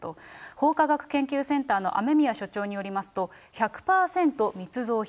法科学研究センターの雨宮所長によりますと、１００％密造品。